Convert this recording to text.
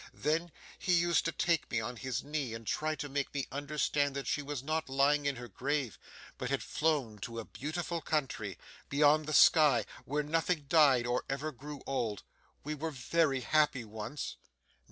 Then he used to take me on his knee, and try to make me understand that she was not lying in her grave, but had flown to a beautiful country beyond the sky where nothing died or ever grew old we were very happy once!